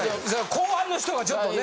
後半の人がちょっとね。